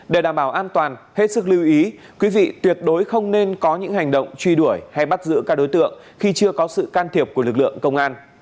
để đảm bảo an toàn hết sức lưu ý quý vị tuyệt đối không nên có những hành động truy đuổi hay bắt giữ các đối tượng khi chưa có sự can thiệp của lực lượng công an